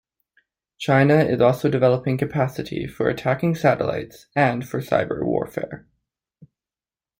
China is also developing capacity for attacking satellites and for cyberwarfare.